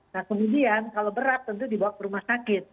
nah kemudian kalau berat tentu dibawa ke rumah sakit